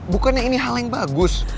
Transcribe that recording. bukannya ini hal yang bagus